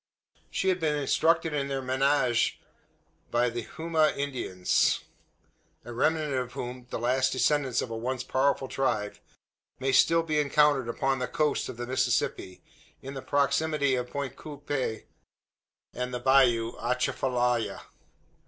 She had been instructed in their manege by the Houma Indians; a remnant of whom the last descendants of a once powerful tribe may still be encountered upon the "coast" of the Mississippi, in the proximity of Point Coupe and the bayou Atchafalaya.